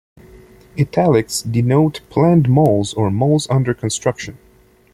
"Italics" denote planned malls or malls under construction.